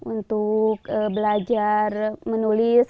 untuk belajar menulis